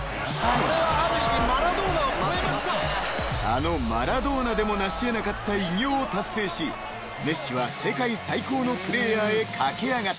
［あのマラドーナでもなし得なかった偉業を達成しメッシは世界最高のプレーヤーへ駆け上がった］